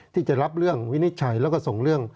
ที่จะรับเรื่องวินิจฉัยแล้วก็ส่งเรื่อง